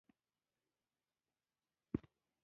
ټول عمر یې په وقار کې تېر کړی.